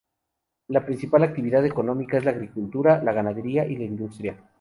La principal actividad económica es la agricultura, la ganadería y la industria.